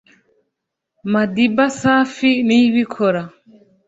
Madiba Safi Niyibikora